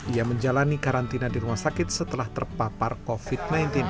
ia menjalani karantina di rumah sakit setelah terpapar covid sembilan belas